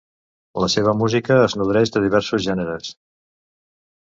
La seva música es nodreix de diversos gèneres.